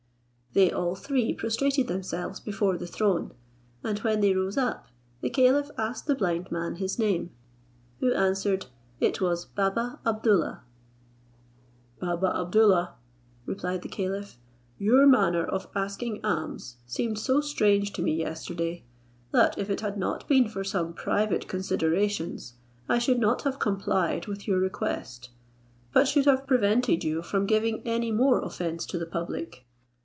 They all three prostrated themselves before the throne, and when they rose up, the caliph asked the blind man his name, who answered, it was Baba Abdoollah. "Baba Abdoollah," replied the caliph, "your manner of asking alms seemed so strange to me yesterday, that if it had not been for some private considerations I should not have complied with your request, but should have prevented you from giving any more offence to the public.